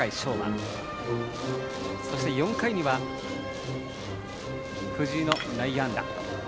そして４回には、藤井の内野安打。